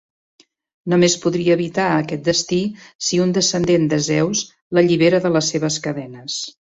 Només podria evitar aquest destí si un descendent de Zeus l'allibera de les seves cadenes.